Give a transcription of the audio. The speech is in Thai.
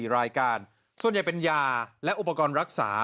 ๔รายการส่วนใหญ่เป็นยาและอุปกรณ์รักษา